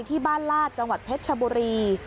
ที่บ้านลาดจังหวัดเพชรชบุรี